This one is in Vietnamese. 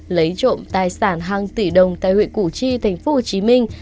lấy trộm tài sản hàng tỷ đồng tại huyện củ chi thành phố hồ chí minh